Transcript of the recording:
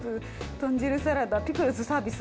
豚汁サラダピクルスサービス。